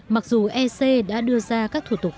mặc dù ec đã đưa ra các thủ tục